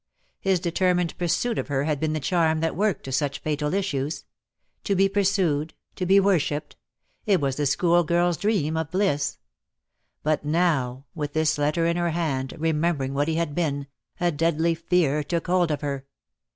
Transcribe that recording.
His determined pursuit of her had been the charm that worked to such fatal issues. To be pursued, to be worshipped! It was the school girl's dream of bliss. But now, with this letter in her hand, remembering what he had been, a deadly fear took hold of her.